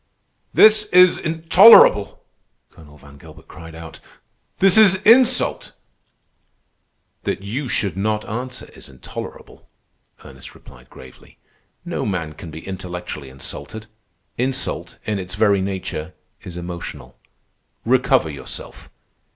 "This is intolerable!" Colonel Van Gilbert cried out. "This is insult!" "That you should not answer is intolerable," Ernest replied gravely. "No man can be intellectually insulted. Insult, in its very nature, is emotional. Recover yourself.